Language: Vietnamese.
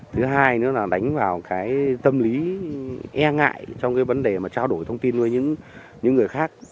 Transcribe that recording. thứ hai nữa là đánh vào cái tâm lý e ngại trong cái vấn đề mà trao đổi thông tin với những người khác